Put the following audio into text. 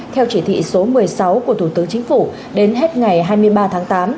theo chỉ thị số một mươi sáu của thủ tướng chính phủ đến hết ngày hai mươi ba tháng tám